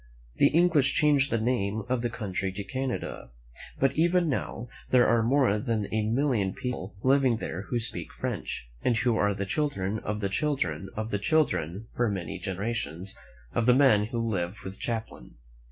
The English changed the name of the country to Canada; but even now there are more than a million people living there who speak French, and who are the children of the children of the children for many genera tions, of the men who lived with Champlain.